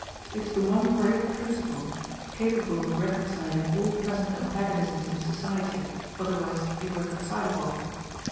It is the one great principle, capable of reconciling all present antagonisms in society, otherwise irreconcilable.